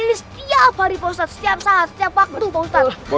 akhirnya kita mendapatkan juga